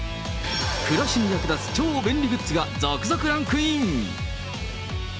暮らしに役立つ超便利グッズが続々ランクイン。